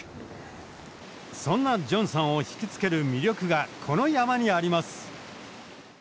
そんなジョンさんを引き付ける魅力がこの山にあります。